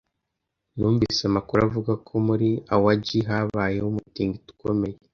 Numvise amakuru avuga ko muri Awaji habaye umutingito ukomeye.